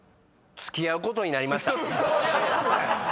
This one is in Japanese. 付き合うことになりました。